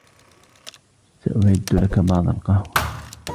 سأعد لك بعض القهوة.